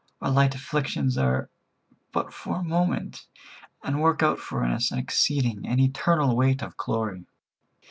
Our light afflictions are but for a moment, and work out for us an exceeding and eternal weight of glory."